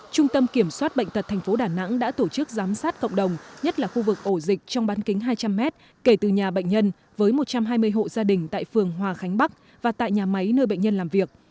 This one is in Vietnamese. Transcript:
trung tâm kiểm soát bệnh tật tp đà nẵng đã tổ chức giám sát cộng đồng nhất là khu vực ổ dịch trong bán kính hai trăm linh m kể từ nhà bệnh nhân với một trăm hai mươi hộ gia đình tại phường hòa khánh bắc và tại nhà máy nơi bệnh nhân làm việc